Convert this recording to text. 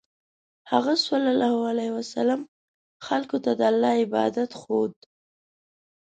هغه ﷺ خلکو ته د الله عبادت ښوود.